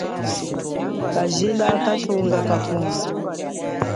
Kajila kanthunga kapundo.